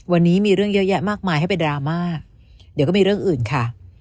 วันนี้มีเรื่องเยอะแยะมากมายให้เป็นดราม่าเดี๋ยวก็มีเรื่องอื่นค่ะ